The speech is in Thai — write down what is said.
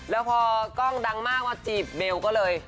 แล้วพอกล้องดังมากมาจีบเบลก็เลย